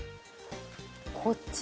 こっち。